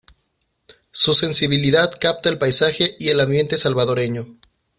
Su sensibilidad capta el paisaje y el ambiente salvadoreño.